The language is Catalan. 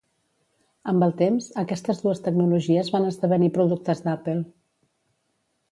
Amb el temps, aquestes dues tecnologies van esdevenir productes d'Apple.